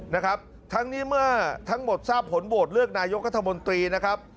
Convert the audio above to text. นะครับทั้งนี้เมื่อทั้งหมดทราบผลโหวตเลือกนายกัธมนตรีนะครับ